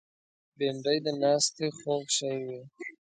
بېنډۍ د ناستې خوږ شی وي